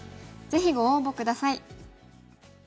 ぜひご応募下さい。